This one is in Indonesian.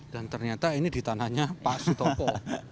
dan ternyata ini di tanahnya pak sutopo